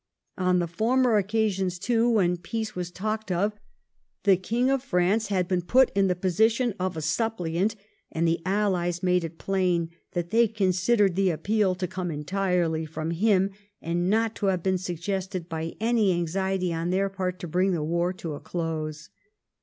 On the former occasions, too, when peace was talked of, the King of France had been put in the position of a suppliant, and the Allies made it plain that they con sidered the appeal to come entirely from him, and not to have been suggested by any anxiety on their part to bring the war to a close.